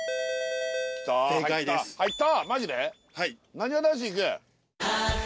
なにわ男子いく？